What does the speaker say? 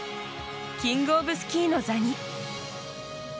キングオブスキーの座に。